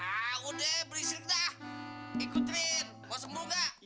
ah udah beristirahat ikutin mau sembuh nggak